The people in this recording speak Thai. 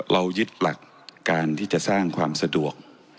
เรายึดหลักการที่จะสร้างความสะดวก